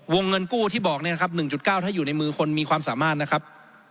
วงเงินกู้ที่บอก๑๙ถ้าอยู่ในมือคนมีความสามารถนะครับ